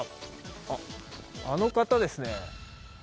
あっあの方ですね。